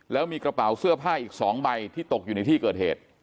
แล้วมีกระเป๋าเสื้อผ้าอีก๒ใบที่ตกอยู่ในที่เกิดเหตุ